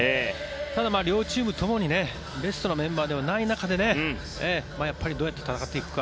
ただ、両チームともにベストのメンバーではない中でやっぱりどうやって戦っていくか。